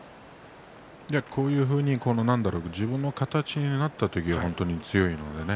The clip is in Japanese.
こういうふうに自分の形になった時は本当に強いのでね